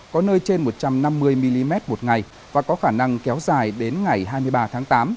có nơi trên một trăm năm mươi mm một ngày và có khả năng kéo dài đến ngày hai mươi ba tháng tám